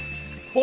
お！